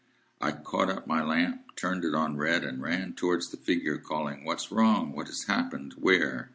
I caught up my lamp, turned it on red, and ran towards the figure, calling, 'What's wrong? What has happened? Where?